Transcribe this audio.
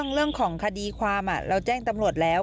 เรื่องของคดีความเราแจ้งตำรวจแล้ว